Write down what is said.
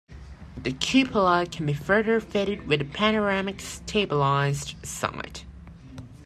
The cupola can be further fitted with a panoramic stabilised sight.